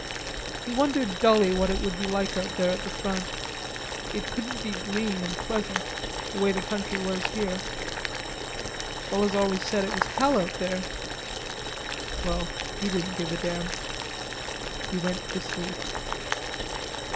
He wondered dully what it would be like out there at the front. It couldn't be green and pleasant, the way the country was here. Fellows always said it was hell out there. Well, he didn't give a damn. He went to sleep.